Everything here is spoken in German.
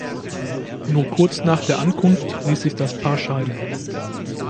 Nur kurz nach der Ankunft ließ sich das Paar scheiden.